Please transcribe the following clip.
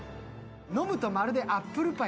飲むとまるでアップルパイ。